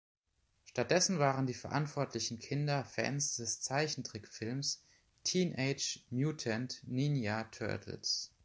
Stattdessen waren die verantwortlichen Kinder Fans des Zeichentrickfilms „Teenage Mutant Ninja Turtles".